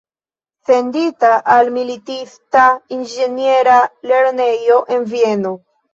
Sendita al militista inĝeniera lernejo en Vieno.